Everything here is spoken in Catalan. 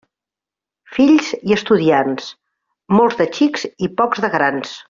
Fills i estudiants, molts de xics i pocs de grans.